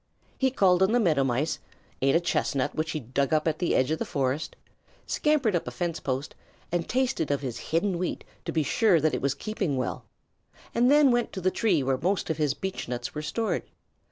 He called on the Meadow Mice, ate a chestnut which he dug up in the edge of the forest, scampered up a fence post and tasted of his hidden wheat to be sure that it was keeping well, and then went to the tree where most of his beechnuts were stored.